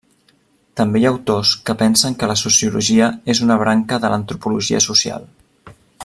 També hi ha autors que pensen que la sociologia és una branca de l'antropologia social.